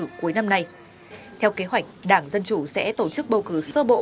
bầu cử cuối năm nay theo kế hoạch đảng dân chủ sẽ tổ chức bầu cử sơ bộ